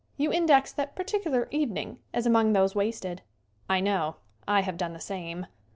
You in dex that particular evening as among those wasted. I know. I have done the same.